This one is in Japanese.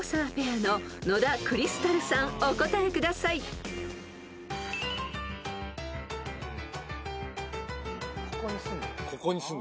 ・ここに？